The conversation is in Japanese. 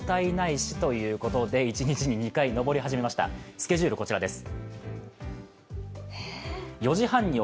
スケジュールこちらです。